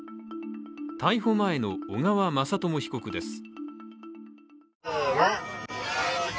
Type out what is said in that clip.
逮捕前の小川雅朝被告です。